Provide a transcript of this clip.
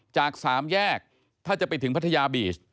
จาก๓แยกถ้าจะไปถึงพัทยาบีช